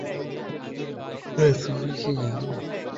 তুমি কি জানো আমি কতদিন ধরে এই দিনটার জন্য অপেক্ষা করেছিলাম?